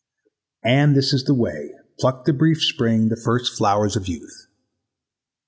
And this is the way: Pluck the brief Spring, the first flowers of youth.